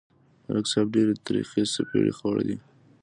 ملک صاحب ډېرې ترخې څپېړې خوړلې.